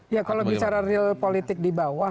ya kalau bicara real politik di bawah